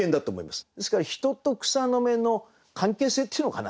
ですから人と草の芽の関係性っていうのかな